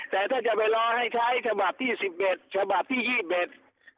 แต่ถ้าจะไปรอให้ใช้ฉบับที่๑๐เบตฉบับที่๒๐เบต